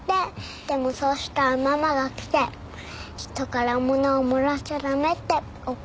でもそうしたらママが来て人から物をもらっちゃダメって怒られたんだ。